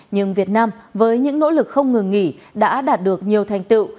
nhưng việt nam với những nỗ lực không ngừng nghỉ đã đạt được nhiều thành tựu